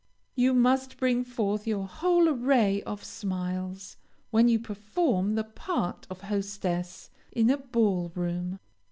You must bring forth your whole array of smiles, when you perform the part of hostess in a ball room.